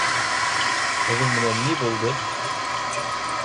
Һеҙҙең менән ни булды?